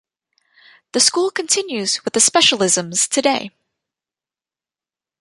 The school continues with the specialisms today.